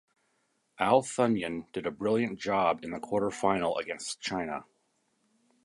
Al Thunayan did a brilliant job in the quarter final against China.